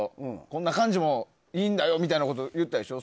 こんな感じもいいんだよみたいなこと言ったでしょ。